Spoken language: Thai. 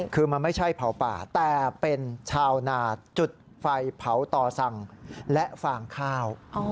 คือมันไม่ใช่เผาป่าแต่เป็นชาวนาจุดไฟเผาต่อสั่งและฟางข้าว